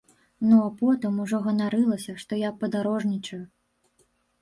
Ну а потым ужо ганарылася, што я падарожнічаю.